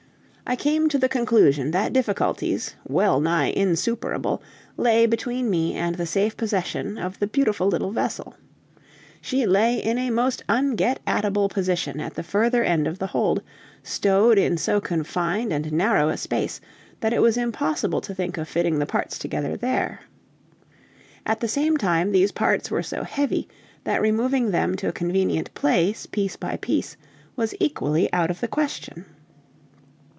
I came to the conclusion that difficulties, well nigh insuperable, lay between me and the safe possession of the beautiful little vessel. She lay in a most un get at able position at the further end of the hold, stowed in so confined and narrow a space, that it was impossible to think of fitting the parts together there. At the same time these parts were so heavy, that removing them to a convenient place piece by piece was equally out of the question.